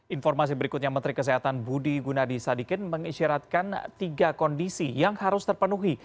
informasi berikutnya menteri kesehatan budi gunadi sadikin mengisyaratkan tiga kondisi yang harus terpenuhi